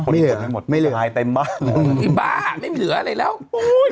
คนถึงเจอไปหมดรายเต็มมากไอ้บ้าไม่เหลืออะไรแล้วโอ้โห